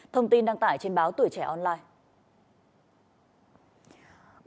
thông tin đăng tải trên báo tuổi trẻ online